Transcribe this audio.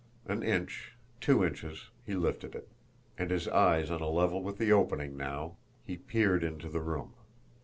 An inch, two inches he lifted it; and, his eyes on a level with the opening now, he peered into the room.